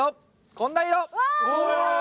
こんな色。